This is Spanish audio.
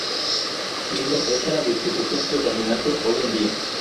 Siendo esta la distribución predominante hoy en día.